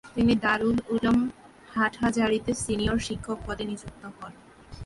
তিনি দারুল উলুম হাটহাজারীতে সিনিয়র শিক্ষক পদে নিযুক্ত হন।